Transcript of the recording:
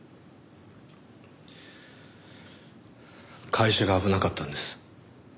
会社が危なかったんです。